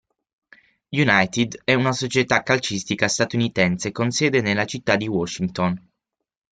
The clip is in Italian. United è una società calcistica statunitense con sede nella città di Washington.